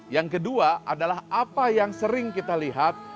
yang kedua adalah apa yang sering kita lihat